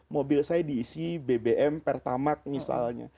mobil saya diisi bbm pertamak misalnya